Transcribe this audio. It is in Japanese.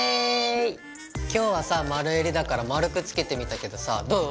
今日はさ丸襟だから丸くつけてみたけどさどう？